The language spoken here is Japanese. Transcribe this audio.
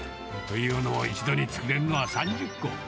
というのも、一度に作れるのは３０個。